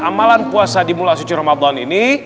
amalan puasa di bulan suci ramadan ini